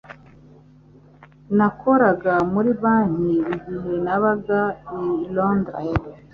Nakoraga muri banki igihe nabaga i Londres.